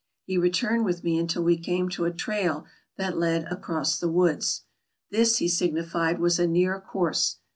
He returned with me until we came to a trail that led across the woods; this he signified was a near course.